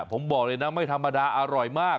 ผมบอกเลยนะไม่ธรรมดาอร่อยมาก